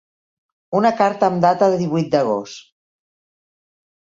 Una carta amb data divuit d'agost.